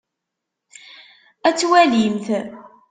Ad twalimt.